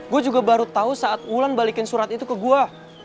gue juga baru tahu saat wulan balikin surat itu ke gue